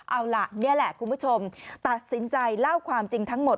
เอาล่ะนี่แหละคุณผู้ชมตัดสินใจเล่าความจริงทั้งหมด